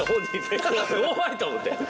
おい！と思って。